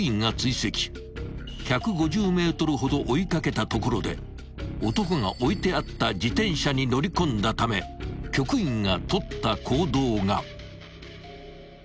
［１５０ｍほど追い掛けたところで男が置いてあった自転車に乗り込んだため局員が取った行動が］